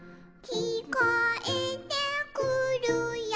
「きこえてくるよ」